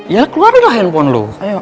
ya keluar dulu handphone lu